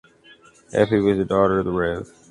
Effie was the daughter of the Rev.